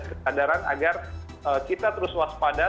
kesadaran agar kita terus waspada